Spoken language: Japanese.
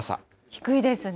低いですね。